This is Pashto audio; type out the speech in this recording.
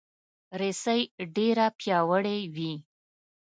رسۍ ډیره پیاوړې وي.